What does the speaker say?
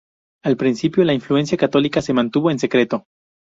Al principio, la influencia católica se mantuvo en secreto.